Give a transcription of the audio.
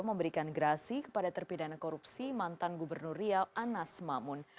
memberikan gerasi kepada terpidana korupsi mantan gubernur riau anas mamun